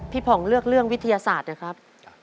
ผ่องเลือกเรื่องวิทยาศาสตร์นะครับ